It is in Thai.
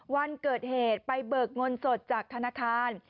วันเกิดเหตุไปเบิกเงินสดจากธนาคาร